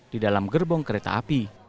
di dalam gerbong kereta api